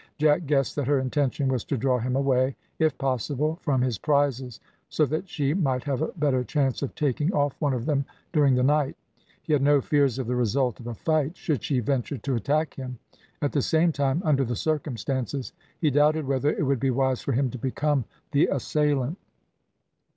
Jack guessed that her intention was to draw him away, if possible, from his prizes, so that she might have a better chance of taking off one of them during the night; he had no fears of the result of a fight should she venture to attack him; at the same time, under the circumstances, he doubted whether it would be wise for him to become the assailant.